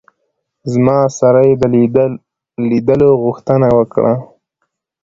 زما سره یې د لیدلو غوښتنه وکړه.